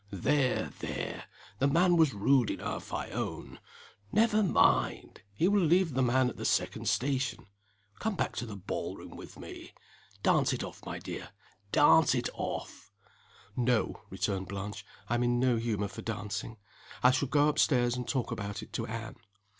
"There! there! the man was rude enough I own. Never mind! he will leave the man at the second station. Come back to the ball room with me. Dance it off, my dear dance it off!" "No," returned Blanche. "I'm in no humor for dancing. I shall go up stairs, and talk about it to Anne."